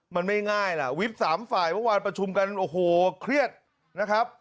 มันไม่ง่ายล่ะวิบสามฝ่ายเมื่อวานประชุมกันโอ้โหเครียดนะครับ